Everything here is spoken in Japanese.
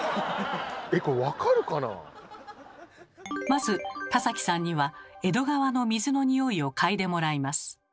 まず田崎さんには江戸川の水のニオイを嗅いでもらいます。